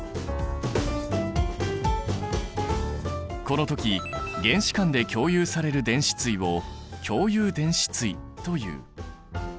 この時原子間で共有される電子対を共有電子対という。